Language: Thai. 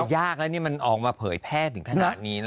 ยากแล้วนี่มันออกมาเผยแพร่ถึงขนาดนี้นะ